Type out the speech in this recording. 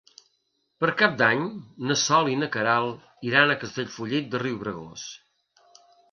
Per Cap d'Any na Sol i na Queralt iran a Castellfollit de Riubregós.